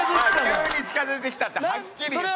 「急に近付いてきた」ってはっきり言ってたよ。